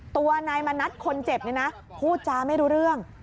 ตัวนายมณัฐคนเจ็บนี่นะพูดจาไม่รู้เรื่อง